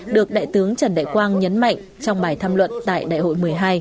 được đại tướng trần đại quang nhấn mạnh trong bài tham luận tại đại hội một mươi hai